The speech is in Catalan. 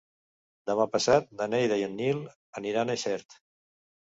Demà passat na Neida i en Nil aniran a Xert.